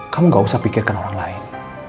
kamu gak usah pikirkan orang lain